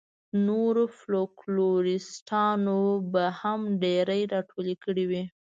نورو فوکلوریسټانو به هم ډېرې راټولې کړې وي.